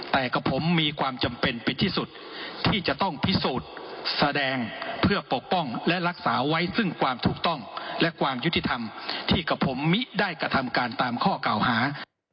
แต่กับผมมีความจำเป็นเป็นที่สุดที่จะต้องพิสูจน์แสดงเพื่อปกป้องและรักษาไว้ซึ่งความถูกต้องและความยุติธรรมที่กับผมมิได้กระทำการตามข้อเก่าหา